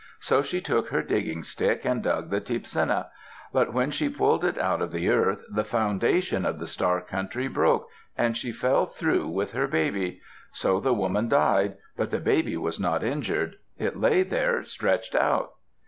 So she took her digging stick and dug the teepsinna; but when she pulled it out of the earth, the foundation of the Star Country broke and she fell through with her baby. So the woman died; but the baby was not injured. It lay there stretched out.